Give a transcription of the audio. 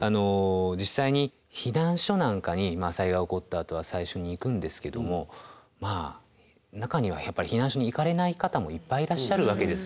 実際に避難所なんかに災害起こったあとは最初に行くんですけどもまあ中には避難所に行かれない方もいっぱいいらっしゃるわけですよね。